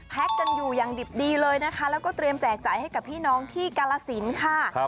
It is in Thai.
กันอยู่อย่างดิบดีเลยนะคะแล้วก็เตรียมแจกจ่ายให้กับพี่น้องที่กาลสินค่ะ